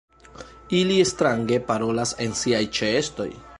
Ili strange parolas en siaj ĉeestoj.